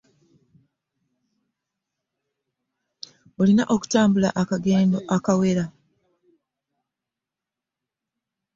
Olina okutambula akagendo akawera.